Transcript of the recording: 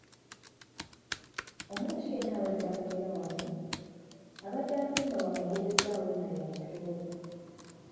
Omuntu yenna abadde akolera wano, abadde azimba wano okuva essaawa eno ayamukewo.